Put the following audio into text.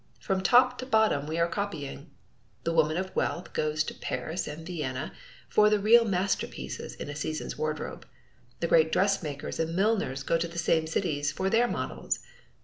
From top to bottom we are copying. The woman of wealth goes to Paris and Vienna for the real masterpieces in a season's wardrobe. The great dressmakers and milliners go to the same cities for their models.